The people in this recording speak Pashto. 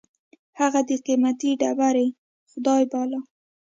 هغه د قېمتي ډبرې خدای باله.